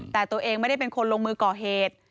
แต่ตัวเองไม่ได้เป็นคนลงมือก่อเหตุ